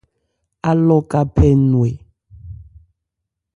Alɔ ka phɛ nnwɛ.